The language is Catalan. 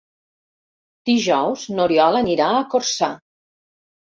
Dijous n'Oriol anirà a Corçà.